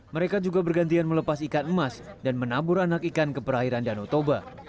mereka juga bergantian melepas ikan emas dan menabur anak ikan ke perairan danau toba